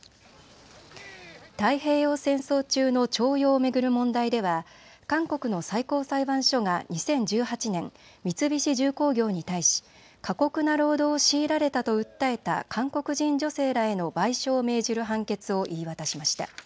太平洋戦争中の徴用を巡る問題では韓国の最高裁判所が２０１８年、三菱重工業に対し過酷な労働を強いられたと訴えた韓国人女性らへの賠償を命じる判決を言い渡しました。